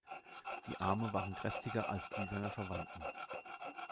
Die Arme waren kräftiger als die seiner Verwandten.